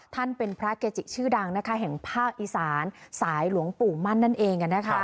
ท่านเป็นพระเกจิชื่อดังแห่งภาคอีสานสายหลวงปู่มั่นนั่นเอง